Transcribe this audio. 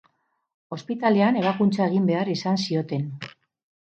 Ospitalean ebakuntza egin behar izan zioten.